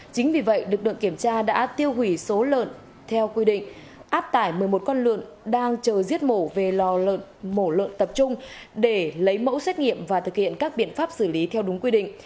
chính vì vậy lực lượng kiểm tra đã tiêu hủy số lợn theo quy định áp tải một mươi một con lợn đang chờ giết mổ về lò mổ lợn tập trung để lấy mẫu xét nghiệm và thực hiện các biện pháp xử lý theo đúng quy định